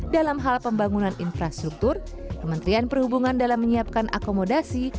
dalam hal pembangunan infrastruktur kementerian perhubungan dalam menyiapkan akomodasi